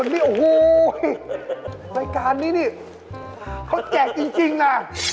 ในรายการนี้นี่เขาแก่จริงน่ะ